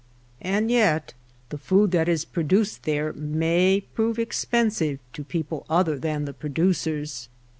And yet the food that is pro duced there may prove expensive to people other than the producers.